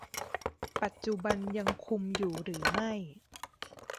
ปัจจุบันยังคุมอยู่หรือไม่